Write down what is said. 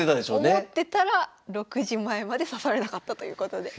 思ってたら６時前まで指されなかったということで。